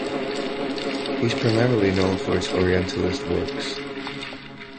He is primarily known for his Orientalist works.